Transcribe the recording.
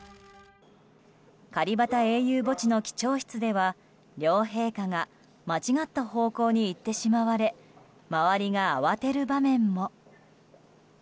カリバタ英雄墓地の記帳室では両陛下が間違った方向に行ってしまわれ周りが慌てる場面も。